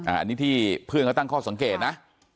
อันนี้ที่เพื่อนเขาตั้งข้อสังเกตนะ